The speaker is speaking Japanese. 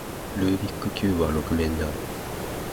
ルービックキューブは六面である